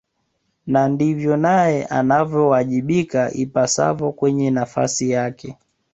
na ndivyo naye anavyowajibika ipasavyo kwenye nafasi yake